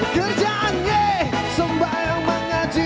kerjaannya sembahyang mengaji